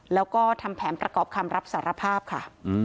แล้วก็ทำแผนประกอบคำรับสารภาพค่ะ